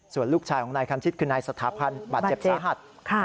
ส่วนลูกชายของนายคันชิตคือนายสถาพันธ์บาดเจ็บสาหัส